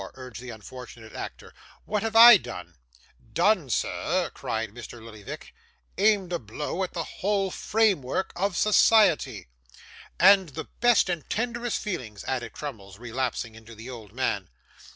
urged the unfortunate actor. 'What have I done?' 'Done, sir!' cried Mr. Lillyvick, 'aimed a blow at the whole framework of society ' 'And the best and tenderest feelings,' added Crummles, relapsing into the old man.